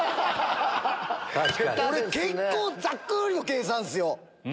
俺結構ざっくりの計算ですよ。